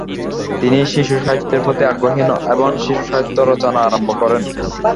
তিনি শিশু সাহিত্যের প্রতি আগ্রহী হন এবং শিশুসাহিত্য রচনা আরম্ভ করেন।